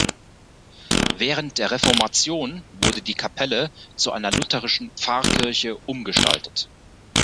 Während der Reformation wurde die Kapelle zu einer lutherischen Pfarrkirche umgestaltet.